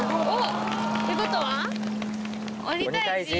ってことは？